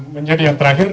menjadi yang terakhir